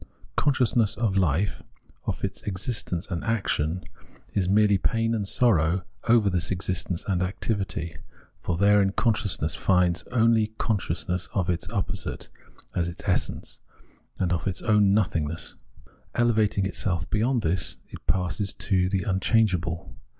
Consciousness of life, of its existence and 202 Phenomenology of Mind action, is merely pain and sorrow over this existence and activity ; for therein consciousness finds only con sciousness of its opposite as its essence — and of its own nothingness. Elevating itself beyond this, it passes to the unchangeable.